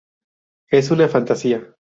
Es una fantasía.